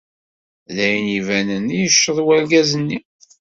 D ayen ibanen yecceḍ wergaz-nni.